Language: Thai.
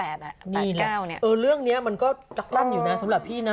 เออเรื่องนี้มันก็สำหรับพี่นะ